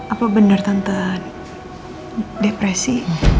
apa benar tante depresi